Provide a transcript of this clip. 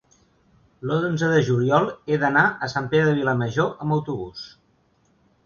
l'onze de juliol he d'anar a Sant Pere de Vilamajor amb autobús.